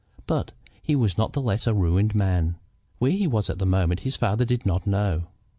But he was not the less a ruined man. Where he was at this moment his father did not know.